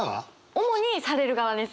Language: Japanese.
主にされる側です。